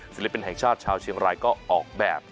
ศิลปินแห่งชาติชาวเชียงรายก็ออกแบบ